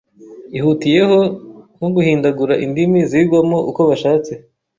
ihutiyeho nko guhindagura indimi zigwamo uko bashatse,